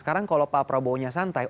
sekarang kalau pak prabowo nya santai